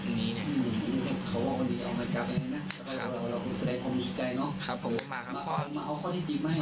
ผมอิตใจเนอะมาเอาข้อทิวดิมาให้พระองค์สวน